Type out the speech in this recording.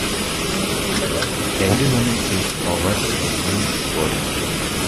Everyone is over the moon for him.